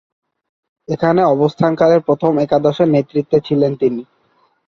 এখানে অবস্থানকালে প্রথম একাদশের নেতৃত্বে ছিলেন তিনি।